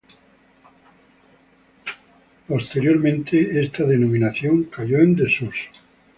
Posteriormente, esta denominación cayó en desuso.